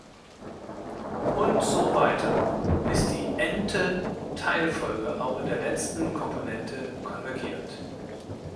Und so weiter, bis die n-te Teilfolge auch in der letzten Komponente konvergiert.